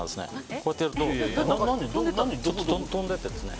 こうやってやると飛んで行ってですね。